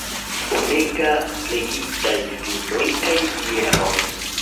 Bonega flegitaj vinoj kaj bieroj.